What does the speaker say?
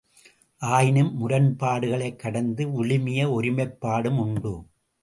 ஆயினும் முரண்பாடுகளைக் கடந்த விழுமிய ஒருமைப்பாடும் உண்டு.